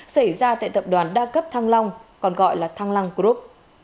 xảy ra tại tập đoàn đa cấp thăng long còn gọi là thăng long group